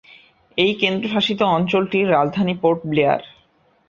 এই কেন্দ্রশাসিত অঞ্চলটির রাজধানী পোর্ট ব্লেয়ার।